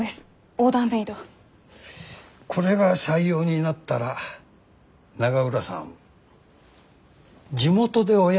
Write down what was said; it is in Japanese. これが採用になったら永浦さん地元でおやりになるの？